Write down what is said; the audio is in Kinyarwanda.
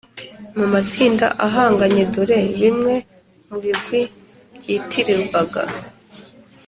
Mu matsinda ahanganye dore bimwe mu bigwi byitirirwaga